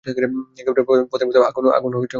একেবারে মথের মত আগুনে টেনেছে।